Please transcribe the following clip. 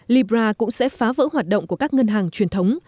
libra cũng sẽ phá vỡ hoạt động của các ngân hàng truyền thống